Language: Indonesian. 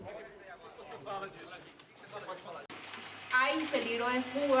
ada bahaya di pembunuh